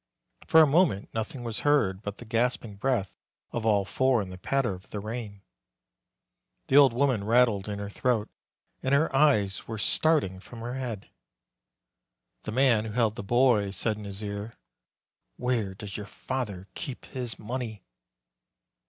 For a moment nothing was heard but the gasping breath of all four and the patter of the rain. The old woman rattled in her throat, and her eyes were starting from her head. The man who held the boy said in his ear, ' 'Where does your father keep his money?"